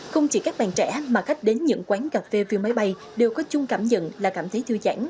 không chỉ các bạn trẻ mà khách đến những quán cà phê view máy bay đều có chung cảm nhận là cảm thấy thư giãn